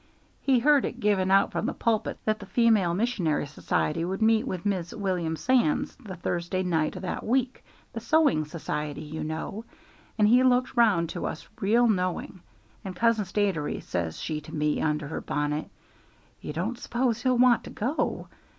He heard it given out from the pulpit that the Female Missionary Society would meet with Mis' William Sands the Thursday night o' that week the sewing society, you know; and he looked round to us real knowing; and Cousin Statiry, says she to me, under her bonnet, 'You don't s'pose he'll want to go?'